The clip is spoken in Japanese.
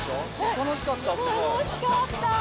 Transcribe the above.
楽しかった。